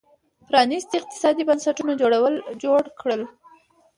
پرانېستي اقتصادي بنسټونه جوړ کړل